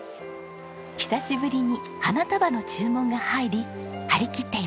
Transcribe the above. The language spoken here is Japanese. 久しぶりに花束の注文が入り張りきっています。